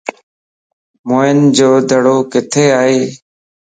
موئن جو دڙو ڪٿي ائي؟